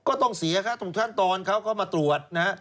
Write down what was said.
ก็ต้องเสียครับตรงขั้นตอนเขาก็มาตรวจนะฮะ